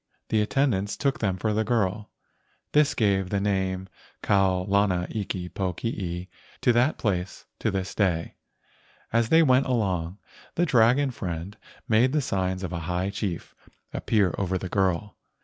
The attendants took them for the girl. This gave the name Kau lana iki pokii to that place to this day. As they went along, the dragon friend made the signs of a high chief appear over the girl.